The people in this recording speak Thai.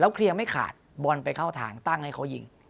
เคลียร์ไม่ขาดบอลไปเข้าทางตั้งให้เขายิง